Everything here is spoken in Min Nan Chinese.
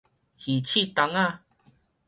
魚翅筒仔